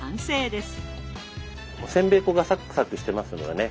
せんべい粉がサクサクしてますのでね